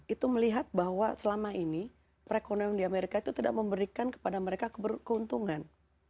itu melihat bahwa selama ini perekonomian di amerika itu tidak memberikan kepada mereka keuntungan